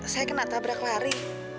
saya kena tabrak lari